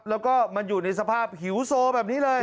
แล้วก็มันอยู่ในสภาพหิวโซแบบนี้เลย